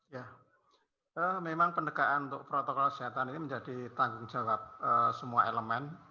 ya memang pendekatan untuk protokol kesehatan ini menjadi tanggung jawab semua elemen